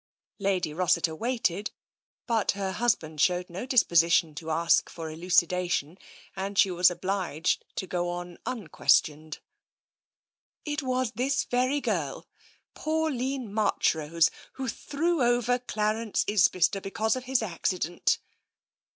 Lady Rossiter waited, but her husband showed no 74 TENSION disposition to ask foi; elucidation, and she was obliged to go on unquestioned. " It was this very girl — Pauline Marchrose — who threw over Clarence Isbister because of his accident."